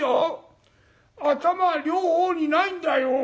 頭は両方にないんだよ。